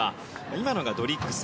今のがドリッグス。